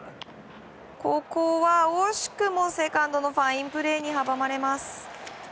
ここは惜しくもセカンドのファインプレーに阻まれます。